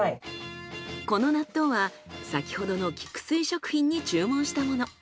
この納豆は先ほどの菊水食品に注文したもの。